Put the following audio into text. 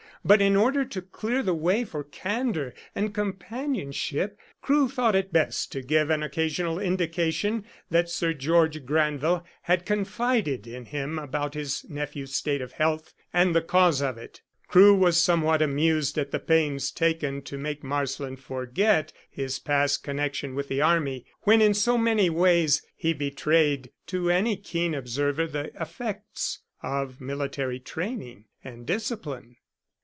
But in order to clear the way for candour and companionship Crewe thought it best to give an occasional indication that Sir George Granville had confided in him about his nephew's state of health and the cause of it. Crewe was somewhat amused at the pains taken to make Marsland forget his past connection with the Army, when in so many ways he betrayed to any keen observer the effects of military training and discipline.